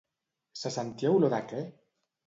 Se sentia olor de què?